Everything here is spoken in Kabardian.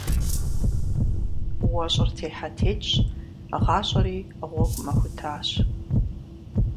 УэщIыр техьэ-текIщ, гъащIэри гъуэгу мыхутащ.